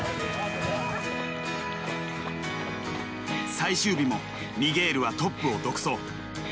最終日もミゲールはトップを独走。